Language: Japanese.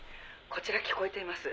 こちら聞こえています」